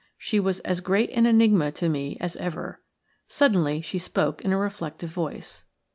She was as great an enigma to me as ever. Suddenly she spoke in a reflective voice.